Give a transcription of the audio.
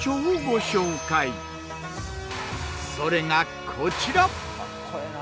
それがこちら！